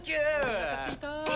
おなかすいた。